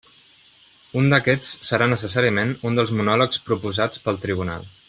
Un d'aquests serà necessàriament un dels monòlegs proposats pel tribunal.